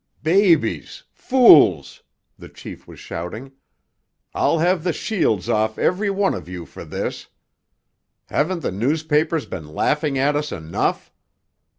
"Babies! Fools!" the chief was shouting. "I'll have the shields off every one of you for this! Haven't the newspapers been laughing at us enough?